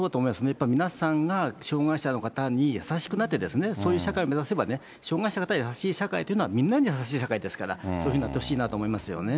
やっぱ皆さんが障害者の方に優しくなって、そういう社会を目指せば、障害者の方に優しい社会というのは、みんなに優しい社会ですから、そういうふうになってほしいなと思いますよね。